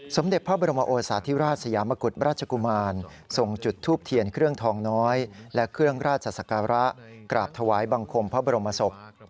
สมเด็จพระบรมโอสาธิราชสยามกุฎราชกุมารทรงจุดทูปเทียนเครื่องทองน้อยและเครื่องราชศักระกราบถวายบังคมพระบรมศพ